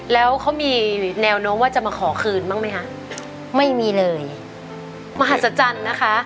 แล้วเขามีแนวโน้มว่าจะมาขอคืนบ้างไหมคะไม่มีเลยมหัศจรรย์นะคะ